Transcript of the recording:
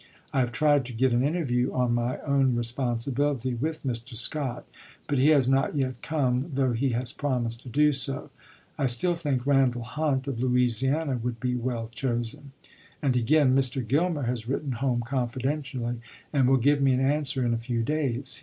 I have tried to get an interview on my own responsibility with Mr. Scott, but he has not yet come, though he has promised to do so. .. I still think Eandall Hunt, Siu,° of Louisiana, would be well chosen." And again: ms. " Mr. Gilmer has written home confidentially, and will give me an answer in a few days.